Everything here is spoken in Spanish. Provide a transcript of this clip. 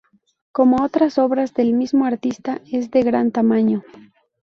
Como otras obras del mismo artista es de gran tamaño.